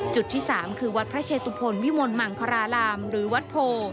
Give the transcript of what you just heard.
จุดที่๓คือวัดพระเชตุพลวิมลมังคลารามหรือวัดโพ